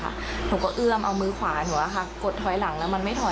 หนูก็เอื้อมเอามือขวาหนูกดถอยหลังแล้วมันไม่ถอย